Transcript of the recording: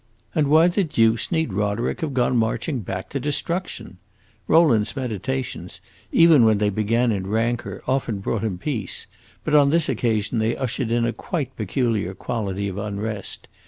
And why the deuce need Roderick have gone marching back to destruction? Rowland's meditations, even when they began in rancor, often brought him peace; but on this occasion they ushered in a quite peculiar quality of unrest.